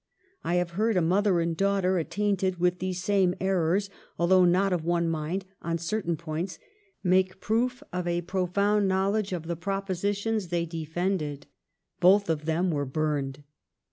I have heard a mother and daughter, attainted with these same errors, although not of one mind on cer tain points, make proof of a profound knowledge of the propositions they defended. Both of them were burned."